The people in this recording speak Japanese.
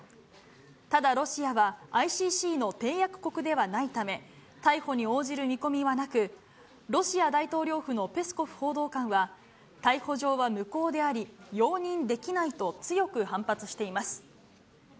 ただロシアは、ＩＣＣの締約国ではないため、逮捕に応じる見込みはなく、ロシア大統領府のペスコフ報道官は、逮捕状は無効であり、容認できないと強く反発しています。